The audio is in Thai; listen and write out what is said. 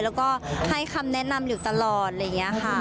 แล้วก็ให้คำแนะนำอยู่ตลอดอะไรอย่างนี้ค่ะ